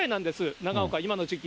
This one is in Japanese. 長岡、今の時期。